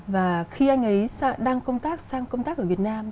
và khi anh ấy đang công tác sang công tác ở việt nam